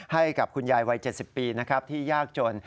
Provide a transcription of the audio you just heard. ให้กับคุณยายวัย๗๐ปีนะครับที่ยากจน